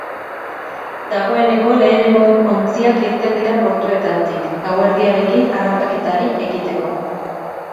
Dagoeneko lehenengo ontziak irten dira portuetatik, gauerdiarekin harrapaketari ekiteko.